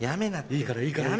いいからいいから。